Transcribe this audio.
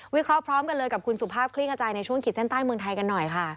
เคราะห์พร้อมกันเลยกับคุณสุภาพคลี่ขจายในช่วงขีดเส้นใต้เมืองไทยกันหน่อยค่ะ